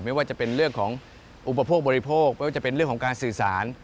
ไม่ว่าจะเป็นเรื่องของอุปโภคบริโภคไม่ว่าจะเป็นเรื่องของการสื่อสาร